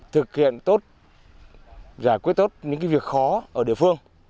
thực hiện tốt giải quyết tốt những việc khó ở địa phương